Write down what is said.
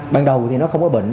ban đầu thì nó không có bệnh